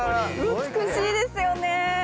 美しいですよね。